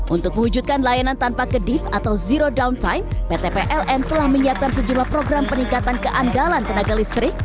untuk mewujudkan layanan tanpa kedip atau zero down time pt pln telah menyiapkan sejumlah program peningkatan keandalan tenaga listrik